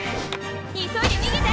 急いで逃げて！